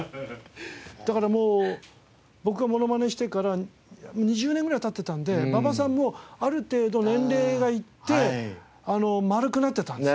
だから僕がモノマネをしてから２０年ぐらい経ってたので馬場さんもある程度年齢がいって丸くなってたんですよ。